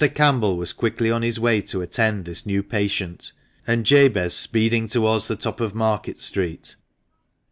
Campbell was quickly on his way to attend this new patient, and Jabez speeding towards the top of Market Street.